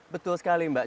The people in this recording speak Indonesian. betul sekali mbak